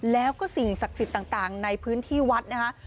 แล้วก็สิ่งศักดิ์สิทธิ์ต่างในพื้นที่วัดนะคะ